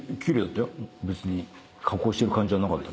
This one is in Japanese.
別に加工してる感じはなかった。